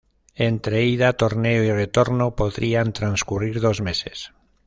Entre ida, torneo y retorno podrían transcurrir dos meses.